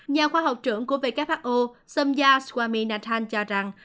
nhà khoa học trưởng của who somya swaminathan cho rằng